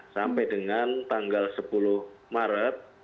sampai dengan tanggal sepuluh maret